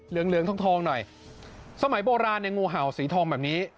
เหลืองทองทองหน่อยสมัยโบราณในงูเห่าสีทองแบบนี้